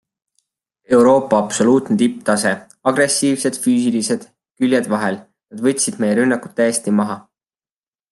Euroopa absoluutne tipptase - agressiivsed, füüsilised, küljed vahel - nad võtsid meie rünnakud täiesti maha.